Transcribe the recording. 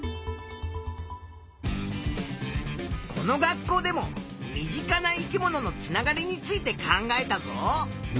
この学校でも身近な生き物のつながりについて考えたぞ。